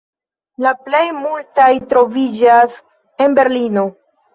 La plej multaj troviĝas en Berlino.